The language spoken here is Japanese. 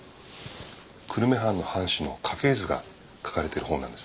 久留米藩の藩士の家系図が描かれてる本なんです。